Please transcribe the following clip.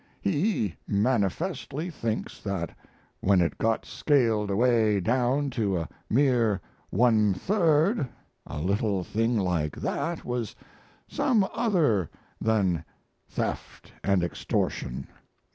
He manifestly thinks that when it got scaled away down to a mere "one third" a little thing like that was some other than "theft and extortion."